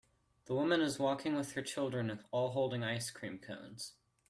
The woman is walking with her children all holding ice cream cones.